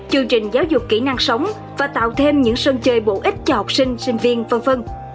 chương trình giáo dục kỹ năng sống và tạo thêm những sân chơi bổ ích cho học sinh sinh viên v v